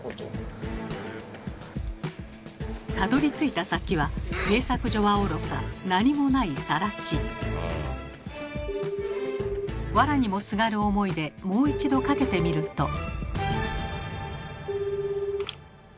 たどりついた先は製作所はおろか何もないわらにもすがる思いでもう一度かけてみると。